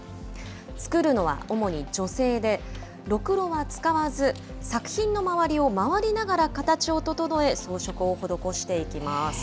作るのは主に女性で、ろくろは使わず、作品の周りを回りながら形を整え、装飾を施していきます。